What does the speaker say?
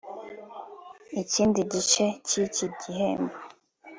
Ikindi gice cy’iki gihembo